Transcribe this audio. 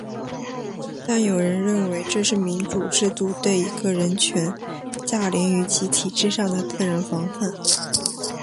但有人认为这是民主制度对一个人权势凌驾于集体之上的自然防范。